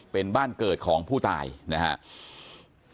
เป็นบ้านเกิดของผู้ตายนะครับ